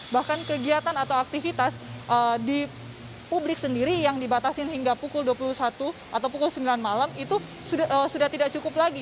bahkan kegiatan atau aktivitas di publik sendiri yang dibatasin hingga pukul dua puluh satu atau pukul sembilan malam itu sudah tidak cukup lagi